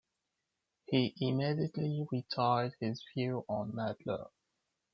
He immediately reiterated his views on "Nadler".